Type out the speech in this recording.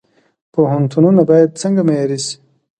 پوهنتونونه باید څنګه معیاري شي؟